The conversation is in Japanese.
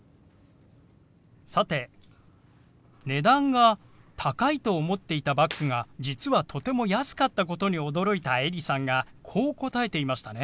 さて値段が高いと思っていたバッグが実はとても安かったことに驚いたエリさんがこう答えていましたね。